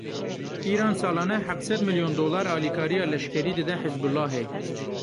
Îran salane heft sed milyon dolar alîkariya leşkerî dide Hizbûlahê.